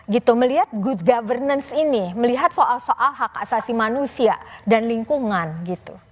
gitu melihat good governance ini melihat soal soal hak asasi manusia dan lingkungan gitu